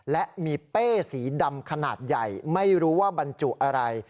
และมีเป้สีดำขนาดใหญ่ไม่รู้ว่าบรรจุอะไร